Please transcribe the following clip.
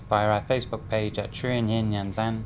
via our facebook page at truyền hình nhận dân